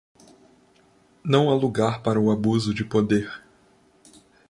Não há lugar para o abuso de poder